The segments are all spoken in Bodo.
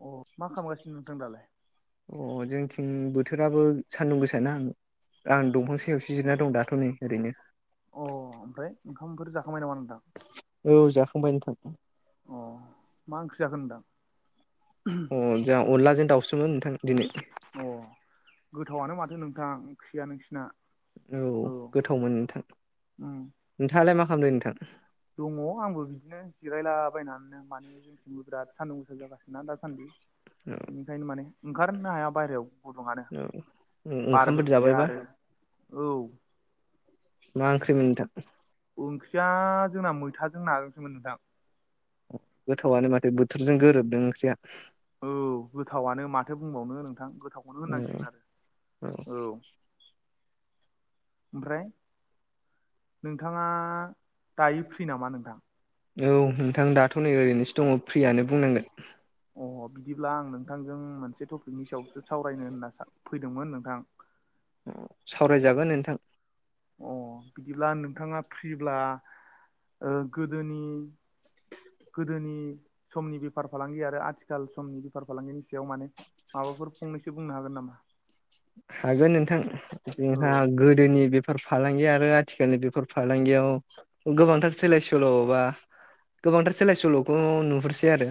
अ मा खालामगासिनो नोंथां दालाय? अ जोंथिं बोथोराबो सान्दुं गोसाना। आं दंफां सायावसो जिरना दं दाथ' नै ओरैनो। अ ओमफ्राय ओंखामफोर जाखांबाय नामा नोंथां? औ जाखांबाय नोंथां। अ मा ओंख्रि जाखो नोथां? अ जोंहा अनलाजों दाउसोमोन नोंथां दिनै। अ गोथावनो माथो नोंथां ओंखिया नोंसोरना। औ गोथावमोन नोंथां, उम नोंथाङालाय मा खालामदों नोंथां? दङ आंबो बिदिनो जिरायलाबायनानैनो माने जोंनिथिंबो बिराद सान्दुं गोसा जागासिनोना दासान्दि? बेनिखायनो माने ओंखारनो हाया बाहहेरायाव गुदुङनो औ माने औ बारबो ओंखामफोर गैया जाबायबा आरो औ। मा ओंख्रि मोन नोंथां? ओंख्रिया जोंना मैथाजों नाजोंसोमोन नोंथां। गोथावानो माथो बोथोरजों गोरोबदों ओंख्रिया। औ गोथावानो माथो बुंबावनो नोंथां गोथाव औ होननांसिगोन आरो, औ ओमफ्राय नोंथाङा दायो फ्रि नामा नोंथां? औ नोंथां दाथ' नै ओरैनोसो दङ फ्रियानो बुंनांगोन। अ बिदिब्ला आं नोंथांजों मोनसे टपिकनि सायावसो सावरायनो होनना फैदोंमोन नोंथां। सावरायजागोन नोंथां। अ बिदिब्ला नोंथाङा फ्रिब्ला गोदोनि गोदोनि समनि बेफार फालांगि आरो आथिखाल समनि बेफार फालांगिनि खायाव माने माबाफोर फंनैसो बुंनो हागोन नामा? हागोन नोंथां, औ जोंहा गोदोनि बे बेफोर फालांगि आरो आथिखालनि बेफोर फालांगियाव गोबांथार सोलाय सोल'बा गोबांथार सोलाय सोल'खौ नुहरसै आरो।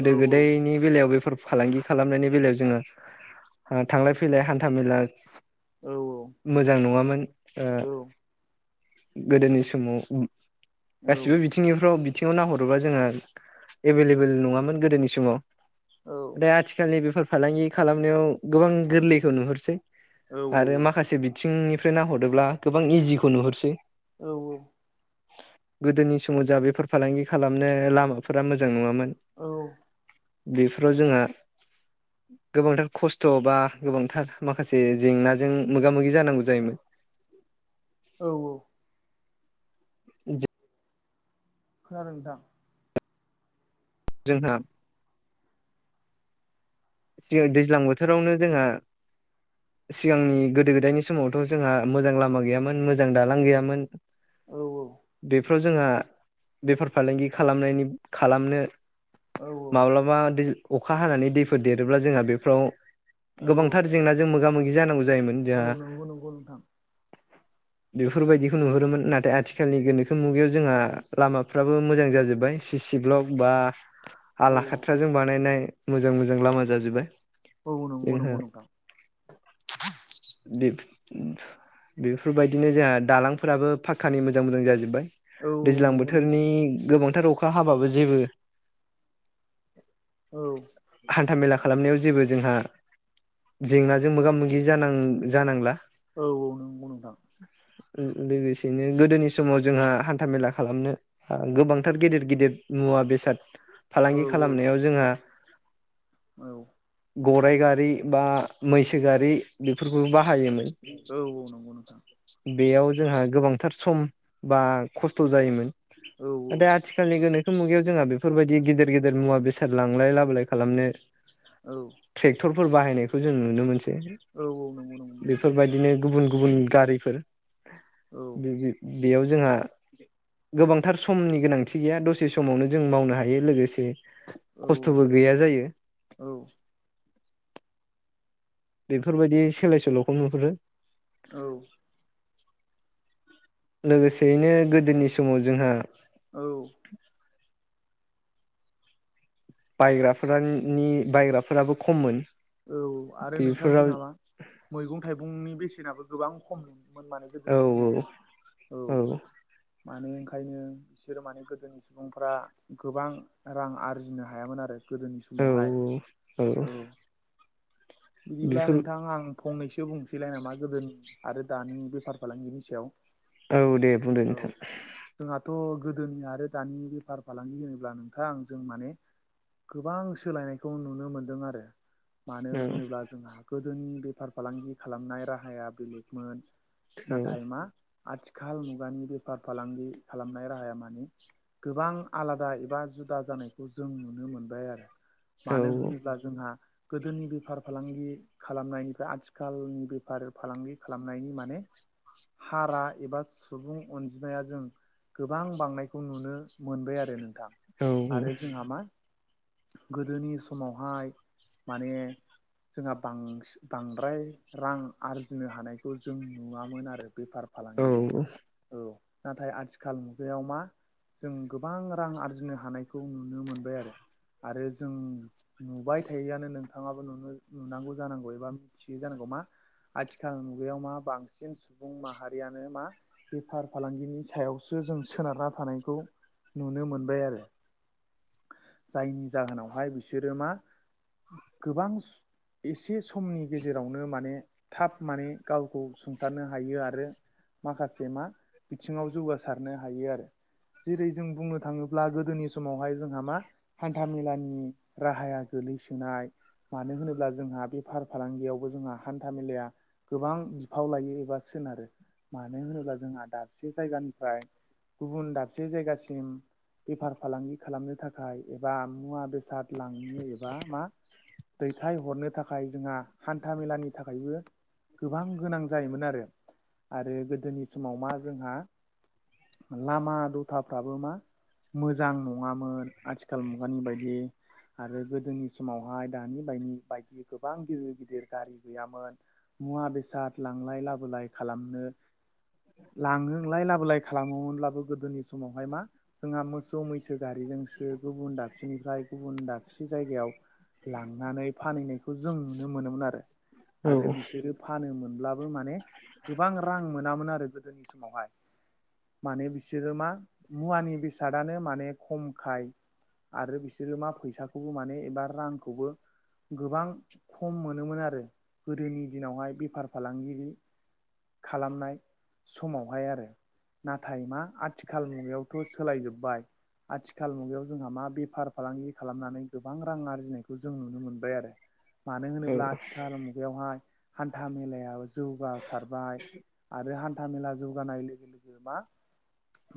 औ गोदायनि बेलायाव बेफोर फालांगि खालामनायनि बेलायाव जोङो, थांलाय फैलाय [unintelligible] औ औ। मोजां नङामोन ओ गोदोनि समाव औ गासिबो बि बिथिंफ्राव बिथिङाव नाहरोबा जोंहा एभेलेबल नङामोन गोदोनि समाव औ दा आथिखालनि बेफार फालांगि खालामनायाव गोबां गोरलैखौ नुहरसै। आरो माखासे बिथिंनिफ्राय नाहरोब्ला गोबां इजिखौ नुहरसै। औ औ। गोदोनि समाव जाहा बेफोर फालांगि खालामनो लामाफोरा मोजां नङामोन। औ बेफोराव जोंङा गोबांथार खस्थ' बा गोबांथार माखासे जेंनाजों मोगा मोगि जानांगौ जायोमोन औ औ। [unintelligible] खोनादों नोंथां? जोंहा दैज्लां बोथोरावनो जोंहा सिगांनि गोदो गोदायनि समावथ' जोंहा मोजां लामा गैयामोन मोजां दालां गैयामोन। औ बेफोराव जोंहा बेफार फालांगि खालामनायनि खालामनो। औ माब्लाबा दै अखा हानानै दैफोर देरोब्ला जोंहा बेफोराव औ औ गोबांथार जेंनाजों मोगा मोगि जानांगौ जायोमोन जोंहा। औ नंगौ नंगौ नोंथां बेफोरबायदिखौ नुहुरोमोन नाथाय आथिखालनि गोनोखो मुगायाव जोंहा लामाफ्राबो मोजां जाजोब्बाय। सि सि ब्लक बा औ आला औ खाथ्राजों बानायनाय मोजां मोजां लामा जाजोब्बाय। औ नंगौ नंगौ जोंहा नोंथां [unintelligible] बेफोरबायदिनो जोंहा दालांफोराबो फाखक्कानि मोजां मोजां जाजोब्बाय। औ दैज्लां नंगौ नोंथां बोथोरनि गोबांथार अखा हाबाबो जेबो औ। हान्थाामेला खालामनायाव जेबो जोंहा जेंनाजों मोगा मोगि जानां जानांला। औ औ नोंगौ नोंथां‌। ओ लोगोसेनो गोदोनि समाव जोंहा हान्थामेला खालामनो ओ गोबांथार गेदिर गिदिर मुवा बेसाद औ फालांगि खालामनायाव जोंहा। औ‌। गराइ गारि बा मैसो गारि बेफोरखौबो बाहायोमोन। औ औ नोंगौ नोंथां। बेयाव जोंहा गोबांथार सम बा खस्थ' जायोमोन। औ नाथाय आफा थिखालनि गोनोखो मुगायाव जोंङा बेफोरबायदि गिदिर गिदिर मुवा बेसाद लांलाय लाबोलाय खालामनो औ। ट्रेक्टरफोर बाहायनायखौ जों नुनो मोनसै। औ औ नोंगौ नोंगौ नोंथां‌ बिदिनो गुबुन गुबुन गारिफोर औ बि-बि-बेयाव जोंहा गोबांथार समनि गोनांथि गैया दसे समावनो जों मावनो हायो। लोगोसे औ खस्थ'बो गैया जायो औ औ। बेफोरबायदि सोलाय सोल'खौ नुहरो। औ। लोगोसेयैनो गोदोनि समाव जोंहा औ। बायग्राफोराननि बायग्राफोराबो खममोन। औ आरो नोंथां बेफोराव जोंङा मा मैगं थाइगंनि बेसेनाबो गोबां खममोन माने। औ गोदोनि समावहाय औ। मानो ओंखायनो बिसोर माने गोदोनि सुबुंफ्रा गोबां रां आरजिनो हायामोन आरो। गोदोनि औ समावहाय औ बिदिब्ला बेफोर नोंथां आं फंनैसो बुंसैलाय नामा गोदोनि आरो दानि बेफार फालांगिनि सायाव? औ दे बुंदो औ नोंथां। जोंहाथ' गोदोनि आरो दानि बेफार फालांगि होनोब्ला नोंथां जों माने गोबां सोलायनायखौ नुनो मोन्दों आरो। मानो औ होनोब्ला जोंहा गोदोनि बेफार फालांगि खालामनाय राहाया बेलेगमोन औ नाथाय मा आथिखाल मुगानि बेफार फालांगि खालामनाय राहाया मानि गोबां आलादा एबा जुदा जानायखौ जों नुनो मोनबाय आरो। औ मानो होनोब्ला जों जोंहा गोदोनि बेफार फालांगि खालामनायनिफाय आथिखालनि बेफार फालांगि खालामनायनि माने हारा एबा सुबुं अनजिमाया जों गोबां बांनायखौ नुनो मोनबाय आरो नोंथां। औ आरो जोंहा मा गोदोनि समावहाय माने जोंहा बांसि-बांद्राय रां आरजिनो हानायखौ जों नुवामोन आरो बेफार फालांगिजों। औ नाथाय आथिखाल मुगायाव मा जों गोबां रां आरजिनो हानायखौ नुनो मोनबाय आरो। आरो जों नुबाय थायोआनो नोंथाङाबो नुनो-नुनांगौ जानांगौ एबा मिथियो जानांगौ मा आथिखाल मुगायाव मा बांसिन सुबुं माहारियानो मा बेफार फालांगिनि सायावसो जों सोनारना थानायखौ नुनो मोनबाय आरो। जायनि जाहोनावहाय बिसोरो मा गोबां एसे समनि गेजेरावनो माने थाब माने गावखौ सुंथानो हायो आरो माखासे मा बिथिङाव जौगासारनो हायो आरो। जेरै जों बुंनो थाङोब्ला गोदोनि समावहाय जोंहा मा हान्थामेलानि राहाया गोलै सोनाय मानो होनोब्ला जोंहा बेफार फालांगियावबो जोंहा हान्था मेलाया गोबां बिफाव लायो एबा सोनारो। मानो होनोब्ला जोंहा दाबसे जायगानिफ्राय गुबुन दाबसे जायगासिम बेफार फालांगि खालामनो थाखाय एबा मुवा बेसाद लांनो एबा मा दैथाय हरनो थाखाय जोंहा हान्था मेलानि थाखायबो गोबां गोनां जायोमोन आरो आरो गोदोनि समाव मा जोंहा लामा दथाफ्राबो मा मोजां नङामोन आथिखाल मुगानि बायदि आरो गो जोंनि समावहाय दानि ब बायदि गोबां गिदिर गिदिर गारि गैयामोन मुवा बेसाद लांलाय लाबोलाय खालामनो लाङोलाय लाबोलाय खालामोमोनब्लाबो गोदोनि समावहाय मा जोंहा मोसौ मैसो गारिजोंसो गुबुन दाबसेनिफ्राय गुबुन दाबसे जाय लांनानै फानैनायखौ जों नुनो मोनोन आरो बिसोरो फानोनब्लाबो माने गोबां रां मोनामोन आरो गोदोनि समावहाय माने बिसोरो मा मुवानि बेसादानो माने खमखाय आरो बिसोरो मा फैसाखौबो माने एबा रांखौबो गोबां खम मोनोमोन आरो गोदोनि दिनावहाय बे बेफार फालांगिरि खालामनाय समावहाय आरो नाथाय मा आथिखाल मुगायाव थ' सोलायजोबबाय आथिखाल मुगायाव जोंहा मा बेफार फालांगि खालामनानै गोबां रां आरजिनायखौ जों नुनो मोनबाय आरो मानो होनोब्ला आथिखाल मुगायावहाय हान्था मेलायाव जौगासारबाय आरो हान्था मेला जौगानाय लोगो लोगो मा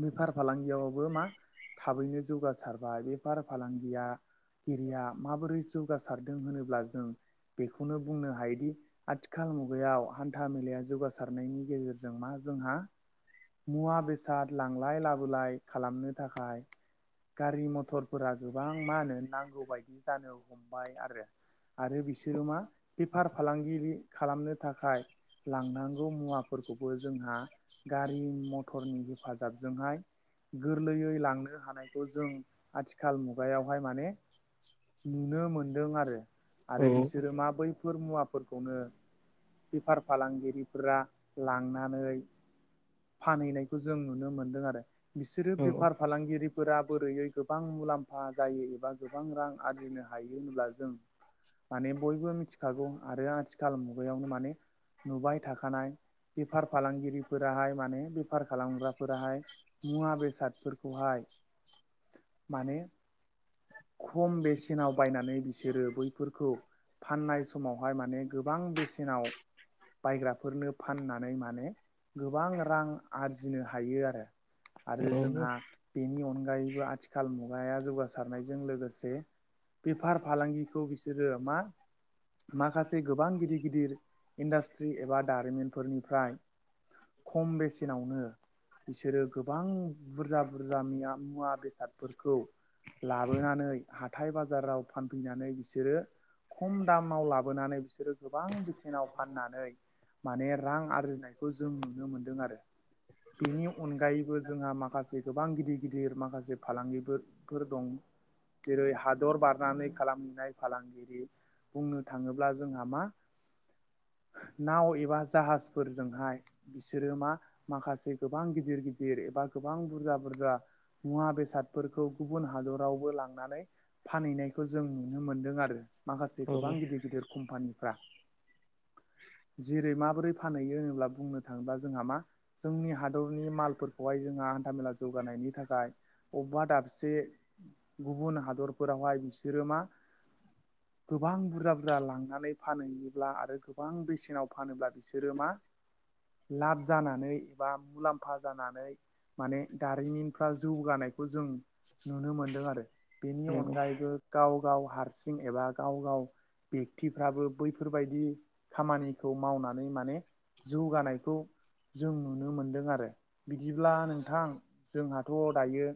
बेफार फालांगियावबो मा थाबैनो जौगासारबाय बेफार फालांगिया एिरिया माबोरै जौगासारदों होनोब्ला जों बेखौनो बुंनो हायोदि आथिखाल मुगायाव हान्था मेलाया जौगासारनायनि गेजेरजों मा जोंहा मुवा बेसाद लांलाय लाबोलाय खालामनो थाखाय गारि मथरफोरा गोबां मा होनो नांगौ बायदि जानो हमबाय आरो। आरो बिसोरो मा बेफार फालांगि खालामनो थाखाय लांनांगौ मुवाफोरखौबो जोंहा गारि मथरनि हेफाजाबजोंहाय गोरलैयै लांनो हानायखौ जों आथिखाल मुगायावहाय माने नुनो मोनदों आरो आरो बिसोरो मा बै फोर मुवाफोरखौनो बेफार फालांगिरिफोरा लांनानै फानहैनायखौ जों नुनो मोनदों आरो। बिसोरो बेफार फालांगिरिफोरा बोरैयै गोबां मुलाम्फा जायो एबा गोब गोबां रां आरजिनो हायो होनब्ला जों माने बयबो मिथिखागौ आरो आथिखाल मुगायावनो माने नुबाय थाखानाय बेफार फालांगिरिफोराहाय माने बेफार खालामग्राफोराहाय मुवा बेसादफोरखौहाय माने खम बेसेनाव बायनानै बिसोरो बैफोरखौ फाननाय समावहाय माने गोबां बेसेनाव बायग्राफोरनो फाननानै माने गोबां रां आरजिनो हायो आरो। आरो जोंहा औ बेनि अनगायैबो आथिखाल मुगाया जौगासारनायजों लोगोस से बेफार फालांगिखौ बिसोरो मा माखासे गोबां गिदिर गिदिर इन्डास्ट्रि एबा दारिमिनफोरनिफ्राय खम बेसेनावनो बिसोरो गोबां बुरजा बुरजा मुवा बेसादफोरखौ लाबोनानै हाथाय बाजाराव फानफैनानै बिसोरो खम दामाव लाबोनानै बिसोरो गोबां बेसेनाव फाननानै माने रां आरजिनायखौ जों नुनो मोनदों आरो बेनि अन अनगायैबो जोंहा माखासे गोबां गिदिर गिदिर माखासे फालांगिफोरफोर दं जेरै हादर बारनानै खालामहैनाय फालांगिरि बुंनो थाङोब्ला जोंहा मा नाव एबा जाहाजफोरजोंहाय बिसोरो मा माखासे गोबां गिदिर गिदिर एबा गोबां बुरजा बुरजा मुवा बेसादफोरखौ गुबुन हादरावबो लां नानै फानहैनायखौ जों नुनो मोनदों आरो माखासे औ गोबां गिद गिदिर गिदिर कम्पानिफ्रा जेरै माबोरै फानहैयो होनोब्ला बुंनो थाङोब्ला जोंहा मा जोंनि हादरनि मालफोरखौहाय जोंहा हान्थामेला जौगानायनि थाखाय अबा दाबसे गुबुन हादरफोरावहाय बिसोरो मा गोबां बुरजा बुरजा लांनानै फानहैयोब्ला आरो गोबां बेसेनाव फानोब्ला बिसोरो मा लाब जानानै एबा मुलाम्फा जानानै माने दारिमिनफ्रा जौगानायखौ जों नुनो मोनदों आरो। बेनि औ अनगायैबो गाव गाव हारसिं एबा गाव गाव बेक्तिफ्राबो बैफोरबायदि खामानिखौ मावनानै माने जौगानायखौ जों नुनो मोनदों आरो बिदिब्ला नोंथां जोंहाथ' दायो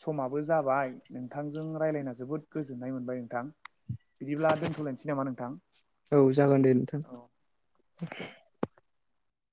समाबो जाबाय नोंथांजों राय्लायना जोबोद गोजोन्नाय मोनबाय नोंथां बिदिब्ला दोन्थ'लायनोसै नामा नोंथां? औ जागोन दे नोंथां। औ [inaudible]